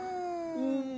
うん。